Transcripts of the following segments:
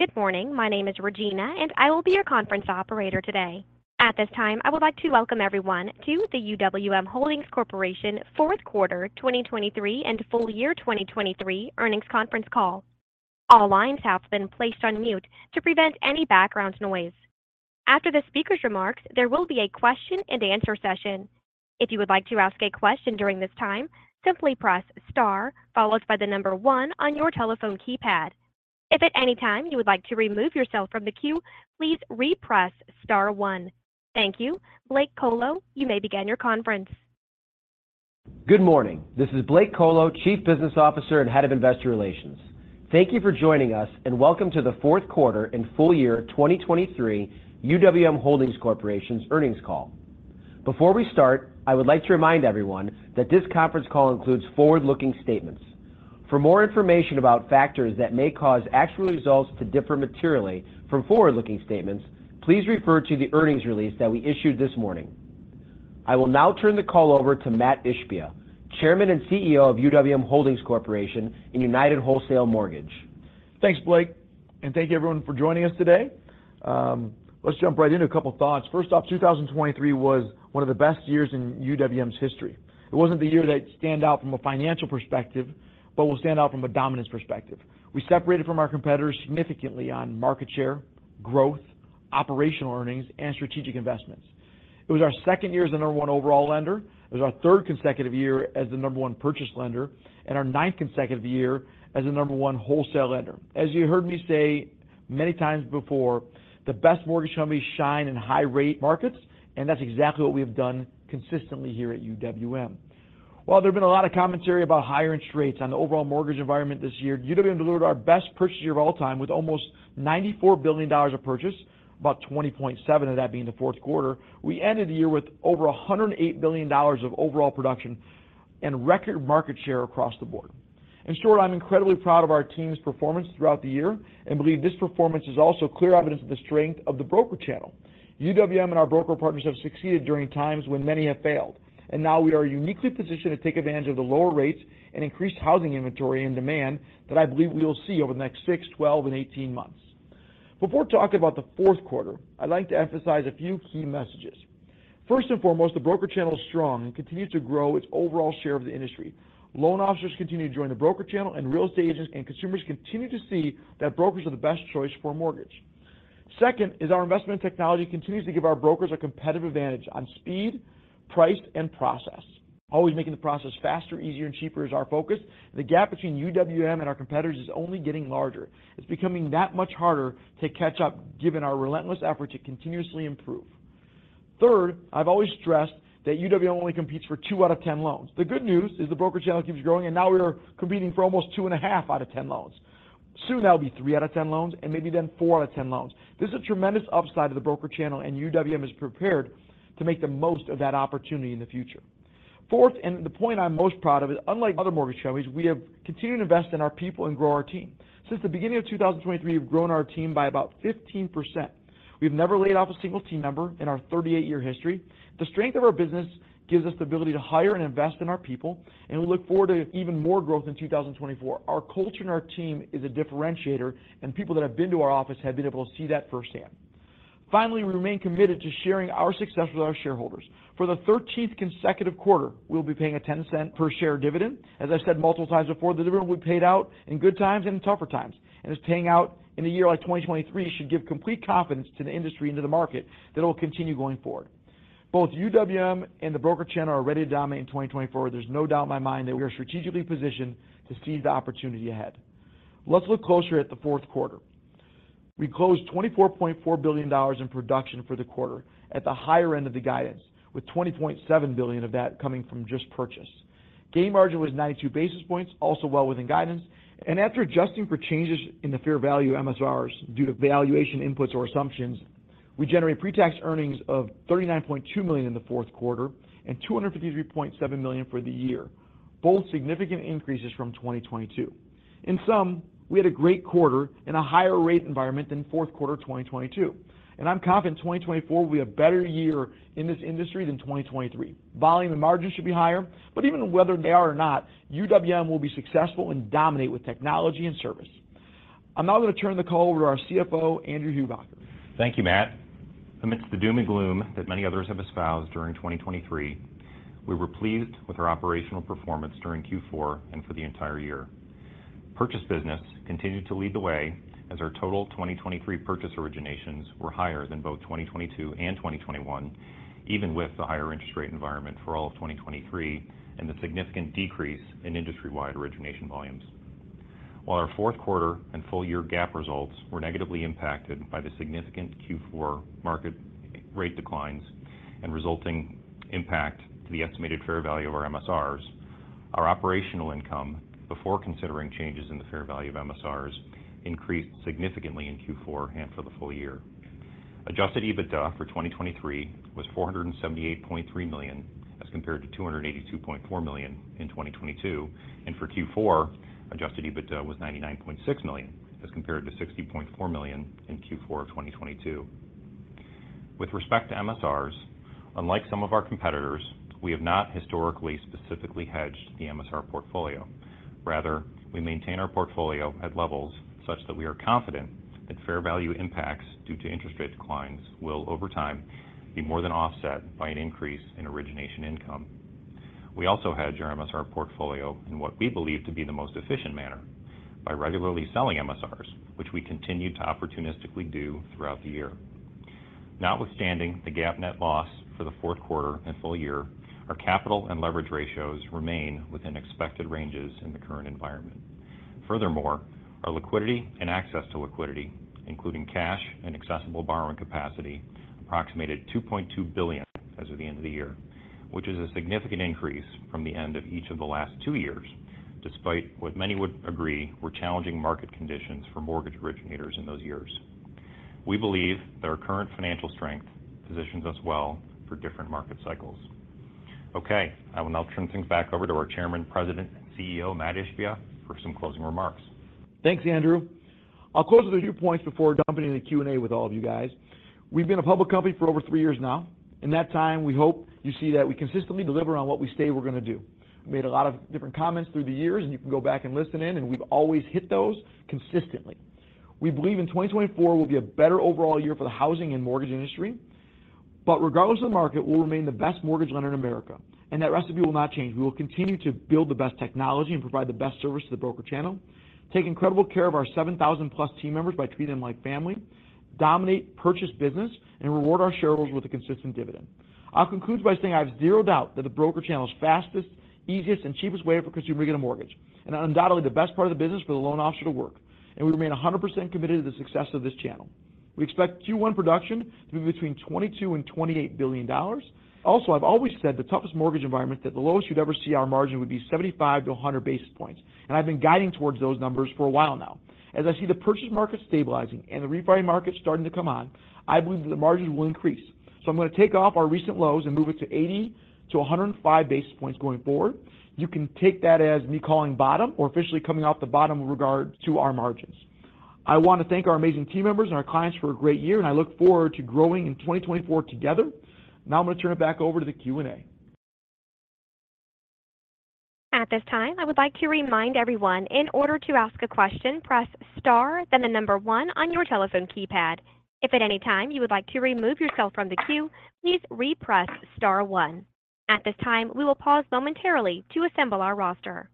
Good morning. My name is Regina, and I will be your conference operator today. At this time, I would like to welcome everyone to the UWM Holdings Corporation fourth quarter 2023 and full year 2023 earnings conference call. All lines have been placed on mute to prevent any background noise. After the speaker's remarks, there will be a question-and-answer session. If you would like to ask a question during this time, simply press star followed by the number 1 on your telephone keypad. If at any time you would like to remove yourself from the queue, please re-press star one. Thank you. Blake Kolo, you may begin your conference. Good morning. This is Blake Kolo, Chief Business Officer and Head of Investor Relations. Thank you for joining us, and welcome to the fourth quarter and full year 2023 UWM Holdings Corporation's earnings call. Before we start, I would like to remind everyone that this conference call includes forward-looking statements. For more information about factors that may cause actual results to differ materially from forward-looking statements, please refer to the earnings release that we issued this morning. I will now turn the call over to Mat Ishbia, Chairman and CEO of UWM Holdings Corporation and United Wholesale Mortgage. Thanks, Blake, and thank you, everyone, for joining us today. Let's jump right in. A couple of thoughts. First off, 2023 was one of the best years in UWM's history. It wasn't the year that stood out from a financial perspective, but will stand out from a dominance perspective. We separated from our competitors significantly on market share, growth, operational earnings, and strategic investments. It was our second year as the number one overall lender. It was our third consecutive year as the number one purchase lender, and our ninth consecutive year as the number one wholesale lender. As you heard me say many times before, the best mortgage companies shine in high-rate markets, and that's exactly what we have done consistently here at UWM. While there have been a lot of commentary about higher interest rates on the overall mortgage environment this year, UWM delivered our best purchase year of all time with almost $94 billion of purchase, about $20.7 of that being the fourth quarter. We ended the year with over $108 billion of overall production and record market share across the board. In short, I'm incredibly proud of our team's performance throughout the year and believe this performance is also clear evidence of the strength of the broker channel. UWM and our broker partners have succeeded during times when many have failed, and now we are uniquely positioned to take advantage of the lower rates and increased housing inventory and demand that I believe we will see over the next six, 12, and 18 months. Before talking about the fourth quarter, I'd like to emphasize a few key messages. First and foremost, the broker channel is strong and continues to grow its overall share of the industry. Loan officers continue to join the broker channel, and real estate agents and consumers continue to see that brokers are the best choice for a mortgage. Second is our investment technology continues to give our brokers a competitive advantage on speed, price, and process. Always making the process faster, easier, and cheaper is our focus, and the GAAP between UWM and our competitors is only getting larger. It's becoming that much harder to catch up given our relentless effort to continuously improve. Third, I've always stressed that UWM only competes for two out of 10 loans. The good news is the broker channel keeps growing, and now we are competing for almost 2.5 out of 10 loans. Soon that will be three out of 10 loans and maybe then four out of 10 loans. This is a tremendous upside to the broker channel, and UWM is prepared to make the most of that opportunity in the future. Fourth, and the point I'm most proud of is, unlike other mortgage companies, we have continued to invest in our people and grow our team. Since the beginning of 2023, we've grown our team by about 15%. We've never laid off a single team member in our 38-year history. The strength of our business gives us the ability to hire and invest in our people, and we look forward to even more growth in 2024. Our culture and our team is a differentiator, and people that have been to our office have been able to see that firsthand. Finally, we remain committed to sharing our success with our shareholders. For the 13th consecutive quarter, we'll be paying a $0.10 per share dividend. As I've said multiple times before, the dividend will be paid out in good times and in tougher times, and it's paying out in a year like 2023, should give complete confidence to the industry and to the market that it will continue going forward. Both UWM and the broker channel are ready to dominate in 2024. There's no doubt in my mind that we are strategically positioned to seize the opportunity ahead. Let's look closer at the fourth quarter. We closed $24.4 billion in production for the quarter at the higher end of the guidance, with $20.7 billion of that coming from just purchase. Gain margin was 92 basis points, also well within guidance. After adjusting for changes in the fair value MSRs due to valuation inputs or assumptions, we generated pretax earnings of $39.2 million in the fourth quarter and $253.7 million for the year, both significant increases from 2022. In sum, we had a great quarter and a higher-rate environment than fourth quarter 2022, and I'm confident 2024 will be a better year in this industry than 2023. Volume and margin should be higher, but even whether they are or not, UWM will be successful and dominate with technology and service. I'm now going to turn the call over to our CFO, Andrew Hubacker. Thank you, Mat. Amidst the doom and gloom that many others have espoused during 2023, we were pleased with our operational performance during Q4 and for the entire year. Purchase business continued to lead the way as our total 2023 purchase originations were higher than both 2022 and 2021, even with the higher interest rate environment for all of 2023 and the significant decrease in industry-wide origination volumes. While our fourth quarter and full-year GAAP results were negatively impacted by the significant Q4 market rate declines and resulting impact to the estimated fair value of our MSRs, our operational income, before considering changes in the fair value of MSRs, increased significantly in Q4 and for the full year. Adjusted EBITDA for 2023 was $478.3 million as compared to $282.4 million in 2022, and for Q4, Adjusted EBITDA was $99.6 million as compared to $60.4 million in Q4 of 2022. With respect to MSRs, unlike some of our competitors, we have not historically specifically hedged the MSR portfolio. Rather, we maintain our portfolio at levels such that we are confident that fair value impacts due to interest rate declines will, over time, be more than offset by an increase in origination income. We also hedge our MSR portfolio in what we believe to be the most efficient manner by regularly selling MSRs, which we continue to opportunistically do throughout the year. Notwithstanding the gap net loss for the fourth quarter and full year, our capital and leverage ratios remain within expected ranges in the current environment. Furthermore, our liquidity and access to liquidity, including cash and accessible borrowing capacity, approximated $2.2 billion as of the end of the year, which is a significant increase from the end of each of the last two years despite, what many would agree, were challenging market conditions for mortgage originators in those years. We believe that our current financial strength positions us well for different market cycles. Okay. I will now turn things back over to our Chairman, President, and CEO, Mat Ishbia, for some closing remarks. Thanks, Andrew. I'll close with a few points before jumping into Q&A with all of you guys. We've been a public company for over three years now. In that time, we hope you see that we consistently deliver on what we say we're going to do. We made a lot of different comments through the years, and you can go back and listen in, and we've always hit those consistently. We believe in 2024 will be a better overall year for the housing and mortgage industry, but regardless of the market, we'll remain the best mortgage lender in America, and that recipe will not change. We will continue to build the best technology and provide the best service to the broker channel, take incredible care of our 7,000-plus team members by treating them like family, dominate purchase business, and reward our shareholders with a consistent dividend. I'll conclude by saying I have zero doubt that the broker channel is the fastest, easiest, and cheapest way for consumers to get a mortgage and undoubtedly the best part of the business for the loan officer to work, and we remain 100% committed to the success of this channel. We expect Q1 production to be between $22 billion-$28 billion. Also, I've always said the toughest mortgage environment, that the lowest you'd ever see our margin would be 75-100 basis points, and I've been guiding towards those numbers for a while now. As I see the purchase market stabilizing and the refinance market starting to come on, I believe that the margins will increase. So I'm going to take off our recent lows and move it to 80-105 basis points going forward. You can take that as me calling bottom or officially coming off the bottom with regard to our margins. I want to thank our amazing team members and our clients for a great year, and I look forward to growing in 2024 together. Now I'm going to turn it back over to the Q&A. At this time, I would like to remind everyone, in order to ask a question, press star, then the number one on your telephone keypad. If at any time you would like to remove yourself from the queue, please re-press star one. At this time, we will pause momentarily to assemble our roster.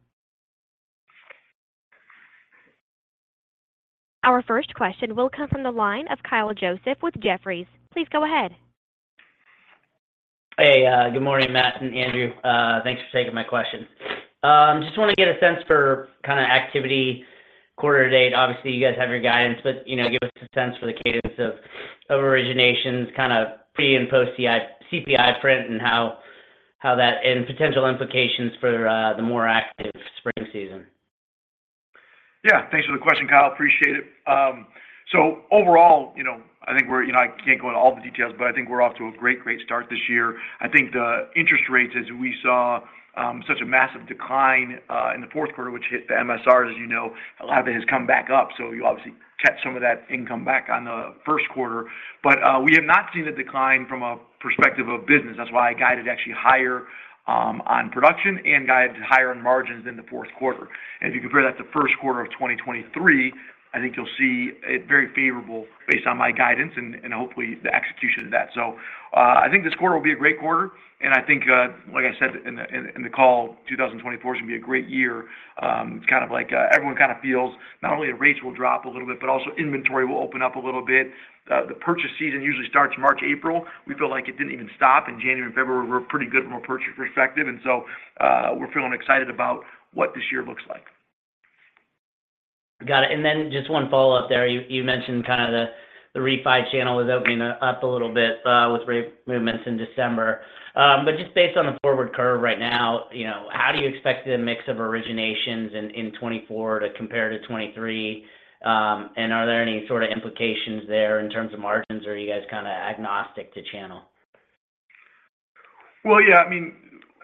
Our first question will come from the line of Kyle Joseph with Jefferies. Please go ahead. Hey. Good morning, Mat and Andrew. Thanks for taking my question. Just want to get a sense for kind of activity quarter to date. Obviously, you guys have your guidance, but give us a sense for the cadence of originations, kind of pre and post CPI print, and how that and potential implications for the more active spring season. Yeah. Thanks for the question, Kyle. Appreciate it. So overall, I think we're, I can't go into all the details, but I think we're off to a great, great start this year. I think the interest rates, as we saw such a massive decline in the fourth quarter, which hit the MSRs, as you know, a lot of it has come back up. So you obviously kept some of that income back on the first quarter, but we have not seen a decline from a perspective of business. That's why I guided actually higher on production and guided higher on margins than the fourth quarter. And if you compare that to first quarter of 2023, I think you'll see it very favorable based on my guidance and hopefully the execution of that. So I think this quarter will be a great quarter, and I think, like I said in the call, 2024 is going to be a great year. It's kind of like everyone kind of feels not only the rates will drop a little bit, but also inventory will open up a little bit. The purchase season usually starts March, April. We feel like it didn't even stop in January and February. We're pretty good from a purchase perspective, and so we're feeling excited about what this year looks like. Got it. And then just one follow-up there. You mentioned kind of the refi channel was opening up a little bit with rate movements in December, but just based on the forward curve right now, how do you expect the mix of originations in 2024 to compare to 2023? And are there any sort of implications there in terms of margins, or are you guys kind of agnostic to channel? Well, yeah. I mean,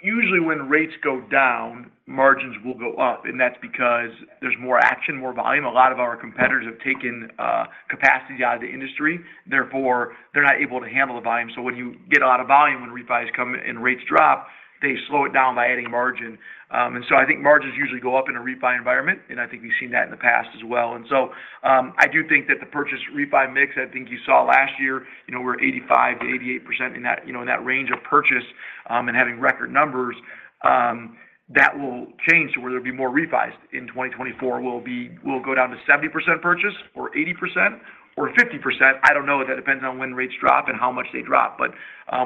usually when rates go down, margins will go up, and that's because there's more action, more volume. A lot of our competitors have taken capacity out of the industry. Therefore, they're not able to handle the volume. So when you get a lot of volume, when refis come in and rates drop, they slow it down by adding margin. And so I think margins usually go up in a refi environment, and I think we've seen that in the past as well. And so I do think that the purchase refi mix, I think you saw last year, we were 85%-88% in that range of purchase and having record numbers. That will change to where there'll be more refis in 2024. We'll go down to 70% purchase or 80% or 50%. I don't know. That depends on when rates drop and how much they drop, but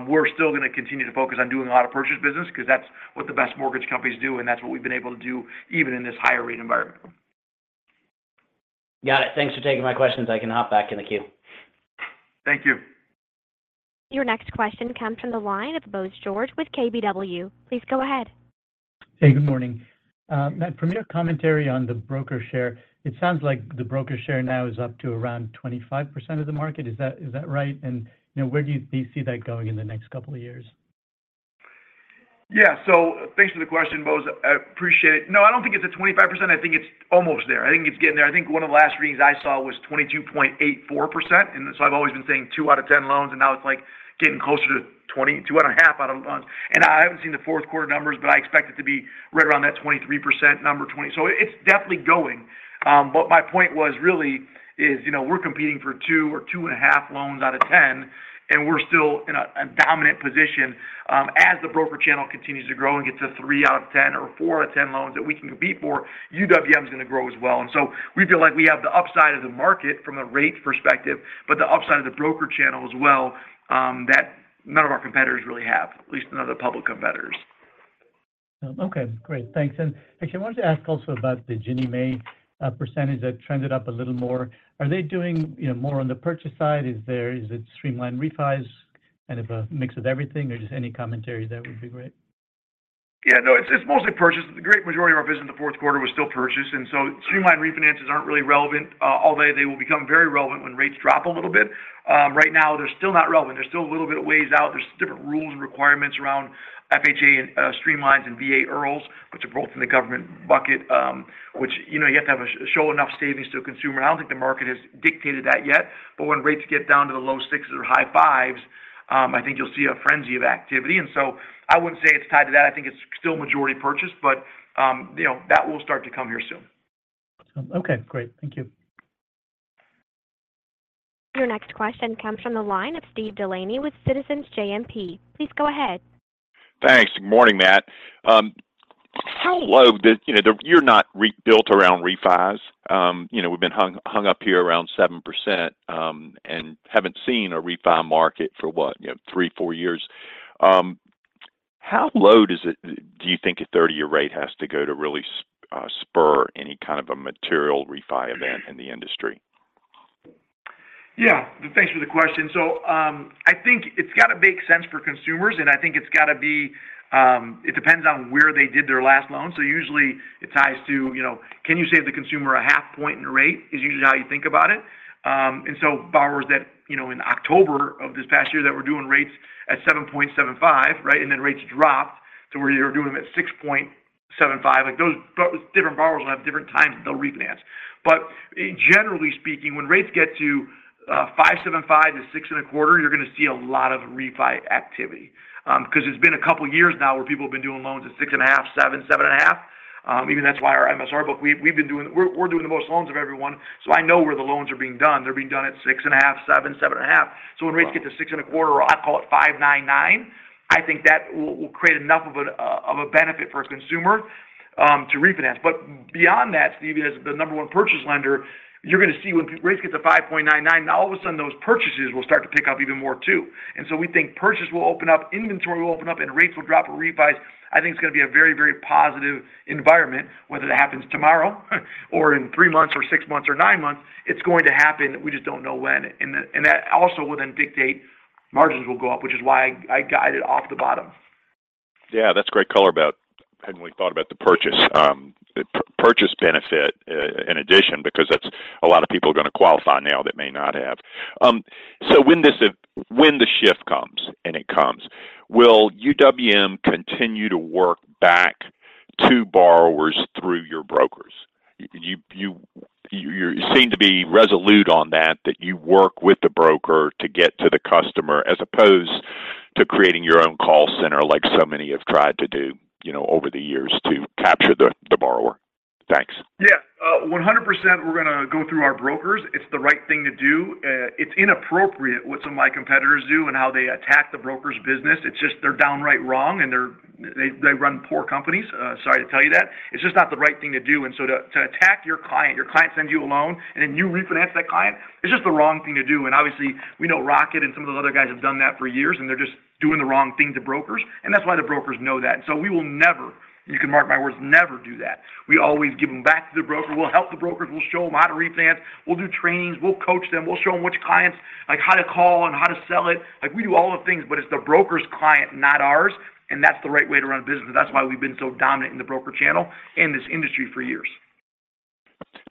we're still going to continue to focus on doing a lot of purchase business because that's what the best mortgage companies do, and that's what we've been able to do even in this higher-rate environment. Got it. Thanks for taking my questions. I can hop back in the queue. Thank you. Your next question comes from the line of Bose George with KBW. Please go ahead. Hey. Good morning. Mat, from your commentary on the broker share, it sounds like the broker share now is up to around 25% of the market. Is that right? And where do you see that going in the next couple of years? Yeah. So thanks for the question, Bose. I appreciate it. No, I don't think it's at 25%. I think it's almost there. I think it's getting there. I think one of the last readings I saw was 22.84%. And so I've always been saying two out of 10 loans, and now it's getting closer to two, 2.5 out of loans. And I haven't seen the fourth quarter numbers, but I expect it to be right around that 23% number. So it's definitely going. But my point really is we're competing for two or 2.5 loans out of 10, and we're still in a dominant position. As the broker channel continues to grow and gets to three out of 10 or four out of 10 loans that we can compete for, UWM is going to grow as well. And so we feel like we have the upside of the market from a rate perspective, but the upside of the broker channel as well that none of our competitors really have, at least none of the public competitors. Okay. Great. Thanks. And actually, I wanted to ask also about the Ginnie Mae percentage that trended up a little more. Are they doing more on the purchase side? Is it streamlined refis kind of a mix of everything, or just any commentary that would be great? Yeah. No, it's mostly purchase. The great majority of our business in the fourth quarter was still purchase, and so streamlined refinances aren't really relevant all day. They will become very relevant when rates drop a little bit. Right now, they're still not relevant. They're still a little bit of ways out. There's different rules and requirements around FHA streamlines and VA IRRRLs, but they're both in the government bucket, which you have to show enough savings to a consumer. I don't think the market has dictated that yet, but when rates get down to the low sixes or high fives, I think you'll see a frenzy of activity. And so I wouldn't say it's tied to that. I think it's still majority purchase, but that will start to come here soon. Okay. Great. Thank you. Your next question comes from the line of Steve Delaney with Citizens JMP. Please go ahead. Thanks. Good morning, Mat. How low? The year not built around refis. We've been hung up here around 7% and haven't seen a refi market for what, three, four years. How low do you think a 30-year rate has to go to really spur any kind of a material refi event in the industry? Yeah. Thanks for the question. So I think it's got to make sense for consumers, and I think it's got to be it depends on where they did their last loan. So usually, it ties to, "Can you save the consumer 0.5 point in rate?" is usually how you think about it. And so borrowers that in October of this past year that were doing rates at 7.75, right, and then rates dropped to where you're doing them at 6.75, those different borrowers will have different times that they'll refinance. But generally-speaking, when rates get to 5.75-6.25, you're going to see a lot of refi activity because it's been a couple of years now where people have been doing loans at 6.5, 7, 7.5. Even, that's why our MSR book. We're doing the most loans of everyone. So I know where the loans are being done. They're being done at 6.5, 7, 7.5. So when rates get to 6.25, or I call it 5.99, I think that will create enough of a benefit for a consumer to refinance. But beyond that, Steve, as the number one purchase lender, you're going to see when rates get to 5.99, now all of a sudden, those purchases will start to pick up even more too. And so we think purchase will open up, inventory will open up, and rates will drop for refis. I think it's going to be a very, very positive environment, whether it happens tomorrow or in three months or six months or nine months. It's going to happen. We just don't know when. That also will then dictate margins will go up, which is why I guided off the bottom. Yeah. That's great color about having we thought about the purchase benefit in addition because that's a lot of people going to qualify now that may not have. So when the shift comes, and it comes, will UWM continue to work back to borrowers through your brokers? You seem to be resolute on that, that you work with the broker to get to the customer as opposed to creating your own call center like so many have tried to do over the years to capture the borrower. Thanks. Yeah. 100%, we're going to go through our brokers. It's the right thing to do. It's inappropriate what some of my competitors do and how they attack the broker's business. It's just they're downright wrong, and they run poor companies. Sorry to tell you that. It's just not the right thing to do. And so to attack your client, your client sends you a loan, and then you refinance that client, it's just the wrong thing to do. And obviously, we know Rocket and some of those other guys have done that for years, and they're just doing the wrong thing to brokers. And that's why the brokers know that. And so we will never. You can mark my words, never do that. We always give them back to the broker. We'll help the brokers. We'll show them how to refinance. We'll do trainings. We'll coach them. We'll show them how to call and how to sell it. We do all the things, but it's the broker's client, not ours, and that's the right way to run a business. That's why we've been so dominant in the broker channel and this industry for years.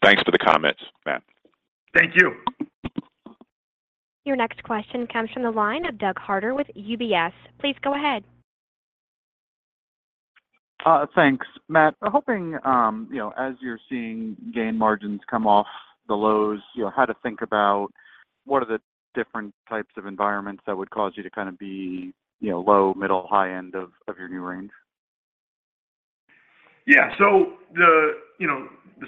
Thanks for the comments, Mat. Thank you. Your next question comes from the line of Doug Harter with UBS. Please go ahead. Thanks, Mat. Hoping, as you're seeing gain margins come off the lows, how to think about what are the different types of environments that would cause you to kind of be low, middle, high end of your new range? Yeah. So the 75-100,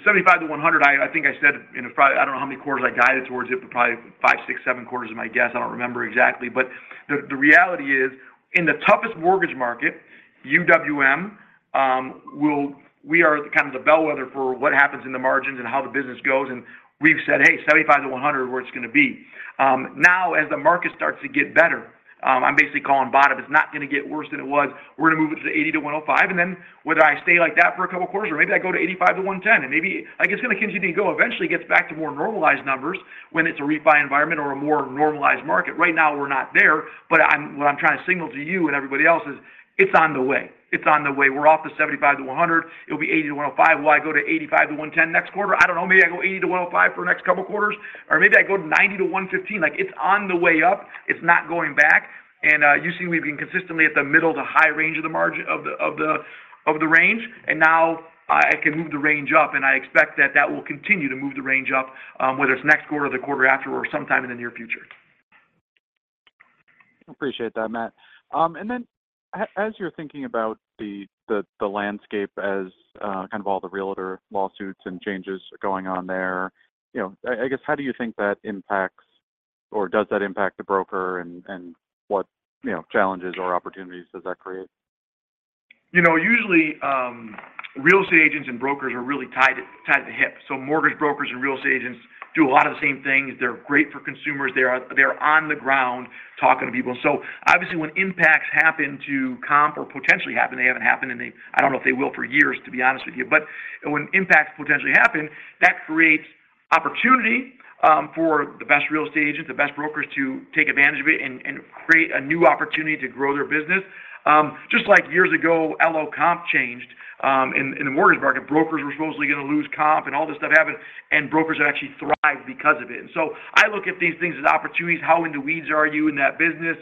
I think I said in a—I don't know how many quarters I guided towards it, but probably five, six, seven quarters is my guess. I don't remember exactly. But the reality is, in the toughest mortgage market, UWM, we are kind of the bellwether for what happens in the margins and how the business goes. And we've said, "Hey, 75-100 is where it's going to be." Now, as the market starts to get better, I'm basically calling bottom. It's not going to get worse than it was. We're going to move it to 80-105. And then whether I stay like that for a couple of quarters or maybe I go to 85-110, and maybe it's going to continue to go. Eventually, it gets back to more normalized numbers when it's a refi environment or a more normalized market. Right now, we're not there. But what I'm trying to signal to you and everybody else is it's on the way. It's on the way. We're off the 75-100. It'll be 80-105. Will I go to 85-110 next quarter? I don't know. Maybe I go 80-105 for the next couple of quarters, or maybe I go to 90-115. It's on the way up. It's not going back. And you see we've been consistently at the middle to high range of the range, and now I can move the range up, and I expect that that will continue to move the range up, whether it's next quarter or the quarter after or sometime in the near future. Appreciate that, Mat. And then as you're thinking about the landscape as kind of all the realtor lawsuits and changes going on there, I guess, how do you think that impacts or does that impact the broker, and what challenges or opportunities does that create? Usually, real estate agents and brokers are really tied at the hip. So mortgage brokers and real estate agents do a lot of the same things. They're great for consumers. They're on the ground talking to people. And so obviously, when impacts happen to comp or potentially happen, they haven't happened, and I don't know if they will for years, to be honest with you. But when impacts potentially happen, that creates opportunity for the best real estate agents, the best brokers to take advantage of it and create a new opportunity to grow their business. Just like years ago, LO comp changed in the mortgage market. Brokers were supposedly going to lose comp, and all this stuff happened, and brokers have actually thrived because of it. And so I look at these things as opportunities. How in the weeds are you in that business?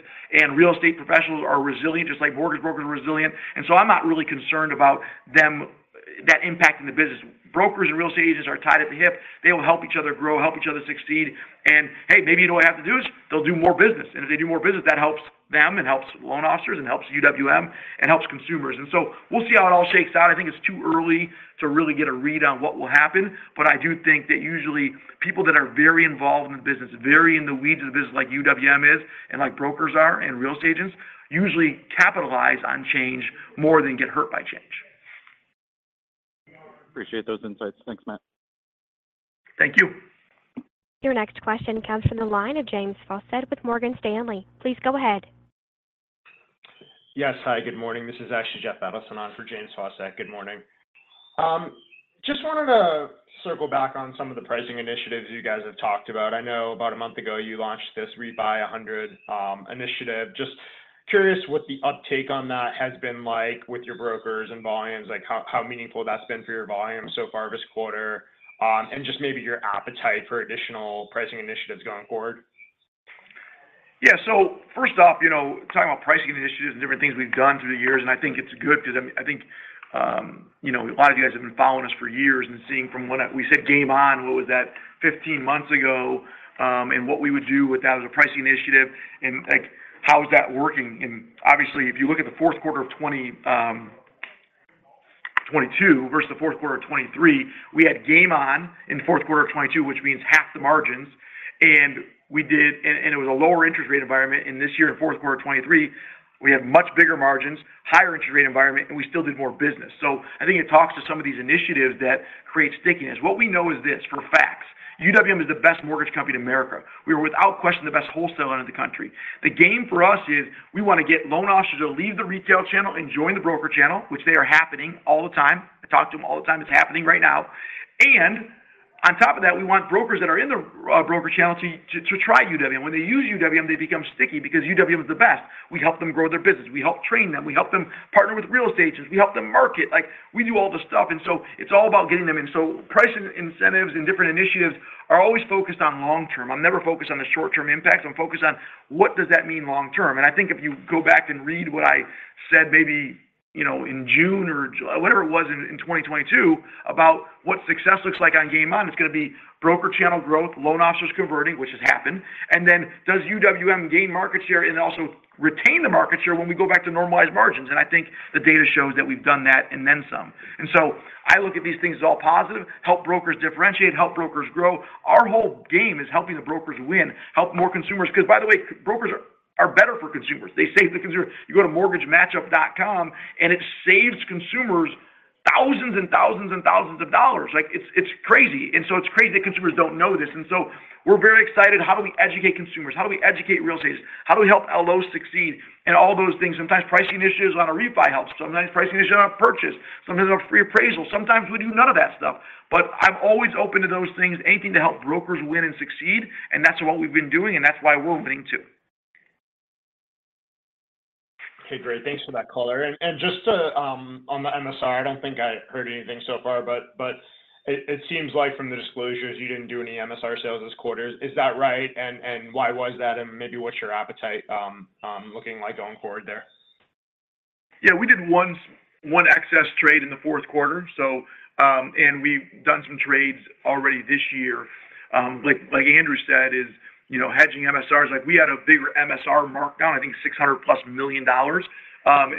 Real estate professionals are resilient, just like mortgage brokers are resilient. So I'm not really concerned about that impacting the business. Brokers and real estate agents are tied at the hip. They will help each other grow, help each other succeed. And hey, maybe you know what you have to do is they'll do more business. And if they do more business, that helps them and helps loan officers and helps UWM and helps consumers. And so we'll see how it all shakes out. I think it's too early to really get a read on what will happen, but I do think that usually, people that are very involved in the business, very in the weeds of the business like UWM is and like brokers are and real estate agents, usually capitalize on change more than get hurt by change. Appreciate those insights. Thanks, Mat. Thank you. Your next question comes from the line of James Fawcett with Morgan Stanley. Please go ahead. Yes. Hi. Good morning. This is actually Jeff Adelson on for James Fawcett. Good morning. Just wanted to circle back on some of the pricing initiatives you guys have talked about. I know about a month ago, you launched this Refi 100 initiative. Just curious what the uptake on that has been like with your brokers and volumes, how meaningful that's been for your volume so far this quarter, and just maybe your appetite for additional pricing initiatives going forward. Yeah. So first off, talking about pricing initiatives and different things we've done through the years, and I think it's good because I think a lot of you guys have been following us for years and seeing from when we said Game On, what was that 15 months ago and what we would do with that as a pricing initiative and how is that working. And obviously, if you look at the fourth quarter of 2022 versus the fourth quarter of 2023, we had Game On in the fourth quarter of 2022, which means half the margins, and it was a lower interest rate environment. And this year, in the fourth quarter of 2023, we had much bigger margins, higher interest rate environment, and we still did more business. So I think it talks to some of these initiatives that create stickiness. What we know is this for facts. UWM is the best mortgage company in America. We are, without question, the best wholesaler in the country. The game for us is we want to get loan officers to leave the retail channel and join the broker channel, which they are happening all the time. I talk to them all the time. It's happening right now. And on top of that, we want brokers that are in the broker channel to try UWM. When they use UWM, they become sticky because UWM is the best. We help them grow their business. We help train them. We help them partner with real estate agents. We help them market. We do all the stuff. And so it's all about getting them in. So pricing incentives and different initiatives are always focused on long term. I'm never focused on the short-term impacts. I'm focused on what does that mean long term. And I think if you go back and read what I said maybe in June or whatever it was in 2022 about what success looks like on Game On, it's going to be broker channel growth, loan officers converting, which has happened, and then does UWM gain market share and then also retain the market share when we go back to normalized margins? And I think the data shows that we've done that and then some. And so I look at these things as all positive, help brokers differentiate, help brokers grow. Our whole game is helping the brokers win, help more consumers because, by the way, brokers are better for consumers. They save the consumer. You go to mortgagematchup.com, and it saves consumers thousands and thousands and thousands of dollars. It's crazy. And so it's crazy that consumers don't know this. And so we're very excited. How do we educate consumers? How do we educate realtors? How do we help LOs succeed and all those things? Sometimes pricing initiatives on a refi help. Sometimes pricing initiatives on a purchase. Sometimes on a free appraisal. Sometimes we do none of that stuff. But I'm always open to those things, anything to help brokers win and succeed. And that's what we've been doing, and that's why we're winning too. Okay. Great. Thanks for that call, Larry. And just on the MSR, I don't think I heard anything so far, but it seems like from the disclosures, you didn't do any MSR sales this quarter. Is that right? And why was that? And maybe what's your appetite looking like going forward there? Yeah. We did one excess trade in the fourth quarter, and we've done some trades already this year. Like Andrew said, is hedging MSRs. We had a bigger MSR markdown, I think, $600+ million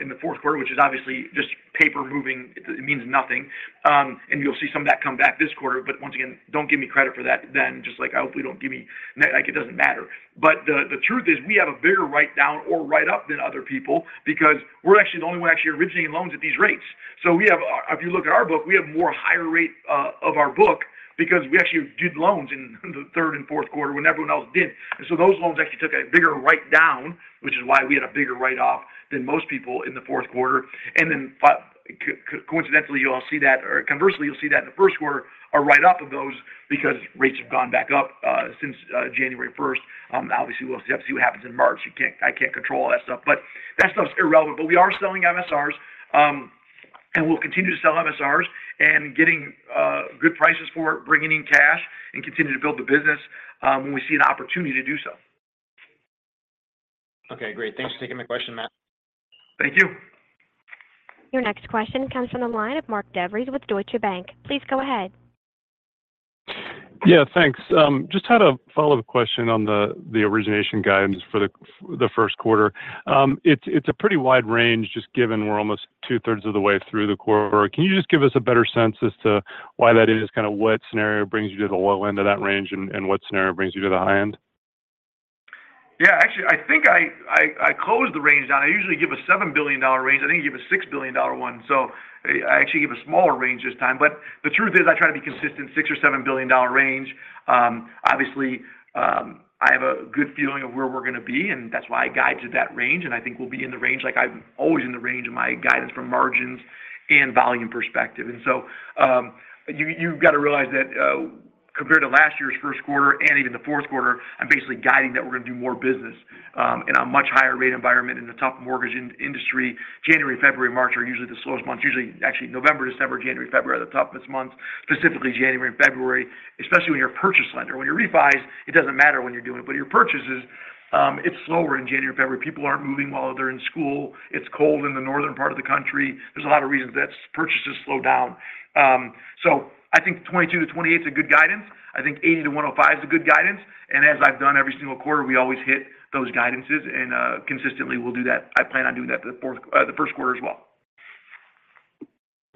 in the fourth quarter, which is obviously just paper moving. It means nothing. And you'll see some of that come back this quarter. But once again, don't give me credit for that then. Just I hope we don't give me it doesn't matter. But the truth is, we have a bigger write-down or write-up than other people because we're actually the only one actually originating loans at these rates. So if you look at our book, we have more higher rate of our book because we actually did loans in the third and fourth quarter when everyone else did. Those loans actually took a bigger write-down, which is why we had a bigger write-off than most people in the fourth quarter. And then coincidentally, you'll see that or conversely, you'll see that in the first quarter, a write-off of those because rates have gone back up since January 1st. Obviously, we'll have to see what happens in March. I can't control all that stuff, but that stuff's irrelevant. But we are selling MSRs, and we'll continue to sell MSRs and getting good prices for it, bringing in cash, and continue to build the business when we see an opportunity to do so. Okay. Great. Thanks for taking my question, Mat. Thank you. Your next question comes from the line of Mark DeVries with Deutsche Bank. Please go ahead. Yeah. Thanks. Just had a follow-up question on the origination guidance for the first quarter. It's a pretty wide range just given we're almost 2/3 of the way through the quarter. Can you just give us a better sense as to why that is, kind of what scenario brings you to the low end of that range and what scenario brings you to the high end? Yeah. Actually, I think I closed the range down. I usually give a $7 billion range. I think I gave a $6 billion one. So I actually gave a smaller range this time. But the truth is, I try to be consistent, $6 billion or $7 billion range. Obviously, I have a good feeling of where we're going to be, and that's why I guided to that range. And I think we'll be in the range. I'm always in the range of my guidance from margins and volume perspective. And so you've got to realize that compared to last year's first quarter and even the fourth quarter, I'm basically guiding that we're going to do more business in a much higher rate environment in the top mortgage industry. January, February, March are usually the slowest months. Actually, November, December, January, February are the toughest months, specifically January and February, especially when you're a purchase lender. When you're refis, it doesn't matter when you're doing it, but your purchases, it's slower in January and February. People aren't moving while they're in school. It's cold in the northern part of the country. There's a lot of reasons that purchases slow down. So I think 2022-2028 is a good guidance. I think 80-105 is a good guidance. And as I've done every single quarter, we always hit those guidances, and consistently, we'll do that. I plan on doing that the first quarter as well.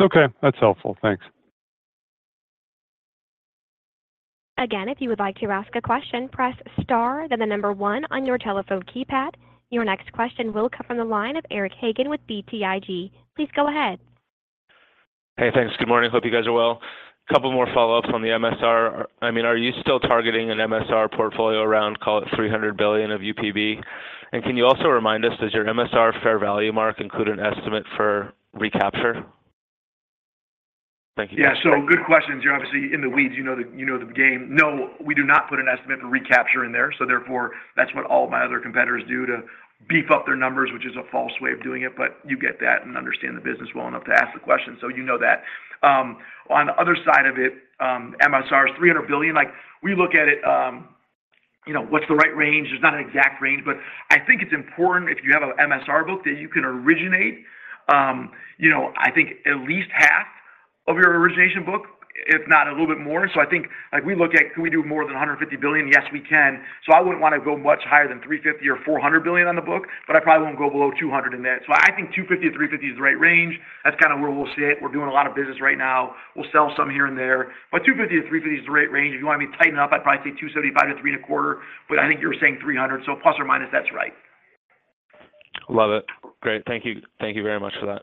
Okay. That's helpful. Thanks. Again, if you would like to ask a question, press star, then the number one on your telephone keypad. Your next question will come from the line of Eric Hagen with BTIG. Please go ahead. Hey. Thanks. Good morning. Hope you guys are well. A couple more follow-ups on the MSR. I mean, are you still targeting an MSR portfolio around, call it, $300 billion of UPB? And can you also remind us, does your MSR fair value mark include an estimate for recapture? Thank you. Yeah. So good question. You're obviously in the weeds. You know the game. No, we do not put an estimate for recapture in there. So therefore, that's what all of my other competitors do to beef up their numbers, which is a false way of doing it. But you get that and understand the business well enough to ask the question, so you know that. On the other side of it, MSRs, $300 billion, we look at it, what's the right range? There's not an exact range, but I think it's important if you have an MSR book that you can originate. I think at least half of your origination book, if not a little bit more. So I think we look at, can we do more than $150 billion? Yes, we can. So I wouldn't want to go much higher than $350 billion or $400 billion on the book, but I probably won't go below $200 billion in that. So I think $250 billion-$350 billion is the right range. That's kind of where we'll sit. We're doing a lot of business right now. We'll sell some here and there. But $250 billion-$350 billion is the right range. If you want me to tighten it up, I'd probably say $275 billion-$325 billion, but I think you were saying $300 billion. So plus or minus, that's right. Love it. Great. Thank you very much for that.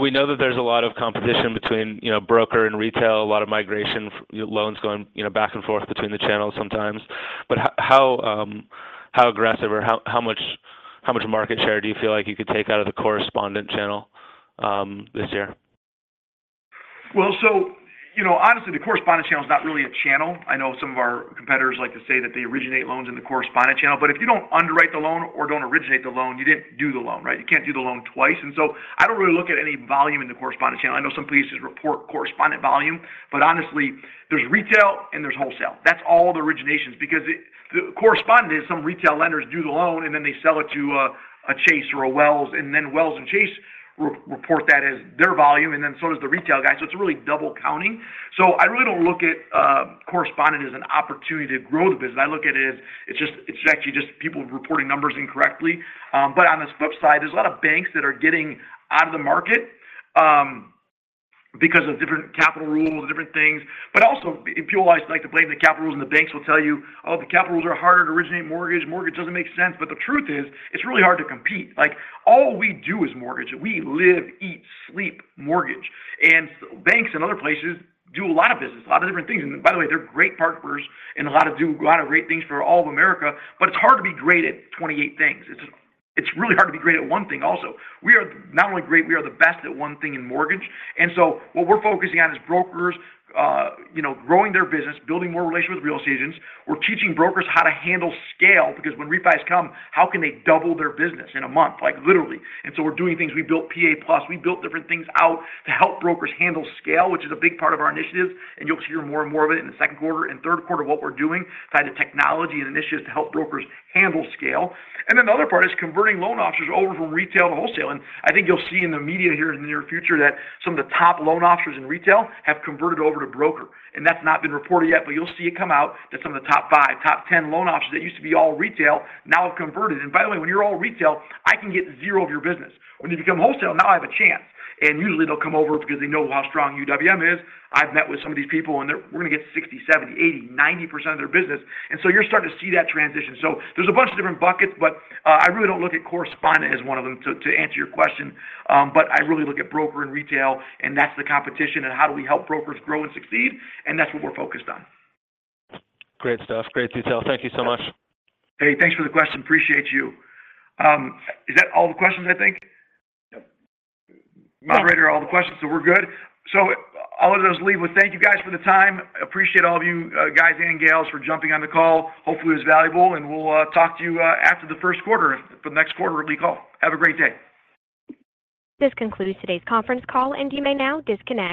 We know that there's a lot of competition between broker and retail, a lot of migration, loans going back and forth between the channels sometimes. But how aggressive or how much market share do you feel like you could take out of the correspondent channel this year? Well, so honestly, the correspondent channel is not really a channel. I know some of our competitors like to say that they originate loans in the correspondent channel. But if you don't underwrite the loan or don't originate the loan, you didn't do the loan, right? You can't do the loan twice. And so I don't really look at any volume in the correspondent channel. I know some places report correspondent volume, but honestly, there's retail, and there's wholesale. That's all the originations because the correspondent is some retail lenders do the loan, and then they sell it to a Chase or a Wells. And then Wells and Chase report that as their volume, and then so does the retail guy. So it's really double counting. So I really don't look at correspondent as an opportunity to grow the business. I look at it as it's actually just people reporting numbers incorrectly. But on the flip side, there's a lot of banks that are getting out of the market because of different capital rules, different things. But also, if you always like to blame the capital rules, and the banks will tell you, "Oh, the capital rules are harder to originate mortgage. Mortgage doesn't make sense." But the truth is, it's really hard to compete. All we do is mortgage. We live, eat, sleep, mortgage. And banks and other places do a lot of business, a lot of different things. And by the way, they're great partners and a lot of do a lot of great things for all of America, but it's hard to be great at 28 things. It's really hard to be great at one thing also. We are not only great, we are the best at one thing in mortgage. So what we're focusing on is brokers growing their business, building more relationships with real estate agents. We're teaching brokers how to handle scale because when refis come, how can they double their business in a month, literally? So we're doing things. We built PA Plus. We built different things out to help brokers handle scale, which is a big part of our initiatives. You'll hear more and more of it in the second quarter and third quarter of what we're doing tied to technology and initiatives to help brokers handle scale. Then the other part is converting loan officers over from retail to wholesale. I think you'll see in the media here in the near future that some of the top loan officers in retail have converted over to broker. That's not been reported yet, but you'll see it come out that some of the top five, top 10 loan officers that used to be all retail now have converted. By the way, when you're all retail, I can get 0 of your business. When you become wholesale, now I have a chance. Usually, they'll come over because they know how strong UWM is. I've met with some of these people, and we're going to get 60%, 70%, 80%, 90% of their business. So you're starting to see that transition. There's a bunch of different buckets, but I really don't look at correspondent as one of them to answer your question. I really look at broker and retail, and that's the competition, and how do we help brokers grow and succeed? That's what we're focused on. Great stuff. Great detail. Thank you so much. Hey. Thanks for the question. Appreciate you. Is that all the questions, I think? Yep. Moderator, all the questions. We're good. All of those leave with, "Thank you, guys, for the time." Appreciate all of you guys and gals for jumping on the call. Hopefully, it was valuable, and we'll talk to you after the first quarter for the next quarterly call. Have a great day. This concludes today's conference call, and you may now disconnect.